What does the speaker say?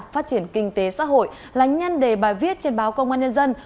phát triển kinh tế xã hội là nhân đề bài viết trên báo công an nhân dân